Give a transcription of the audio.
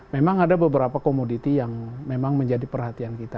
memang ada beberapa komoditi yang memang menjadi perhatian kita